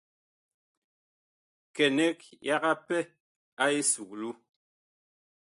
Kɛnɛg yaga pɛ a esuklu.